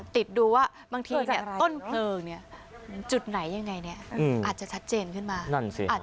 ติดดูว่าบางทีต้นเกลือจุดไหนยังไงอาจจะชัดเจนขึ้นมา